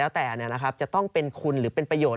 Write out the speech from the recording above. แล้วแต่จะต้องเป็นคุณหรือเป็นประโยชน